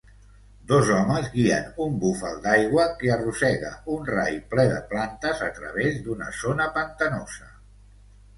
Dos homes guien un búfal d'aigua que arrossega un rai ple de plantes a través d'una zona pantanosa.